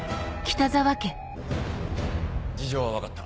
事情は分かった。